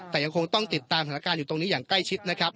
แต่ยังคงต้องติดตามสถานการณ์อยู่ตรงนี้อย่างใกล้ชิดนะครับ